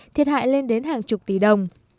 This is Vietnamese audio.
thiệt hại lên đến hàng chục tỷ đồng